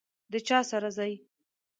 د چا سره ځئ؟